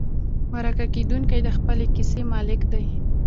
مرکه کېدونکی د خپلې کیسې مالک دی.